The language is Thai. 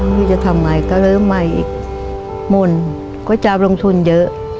พี่จะทำไงก็เริ่มใหม่อีกหม่นก็จะลงทุนเยอะ